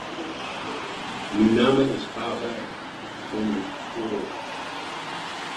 Myn namme is Pavel, ik kom út Poalen.